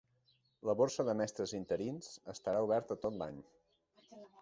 La borsa de mestres interins estarà oberta tot l'any.